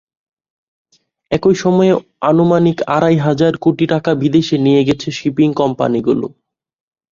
একই সময়ে আনুমানিক আড়াই হাজার কোটি টাকা বিদেশে নিয়ে গেছে শিপিং কোম্পানিগুলো।